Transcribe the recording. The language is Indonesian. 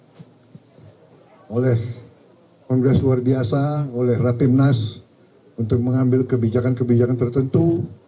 dan ini juga oleh kongres luar biasa oleh ratimnas untuk mengambil kebijakan kebijakan tertentu